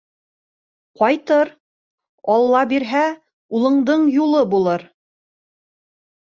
Ҡайтыр, алла бирһә, улыңдың юлы булыр...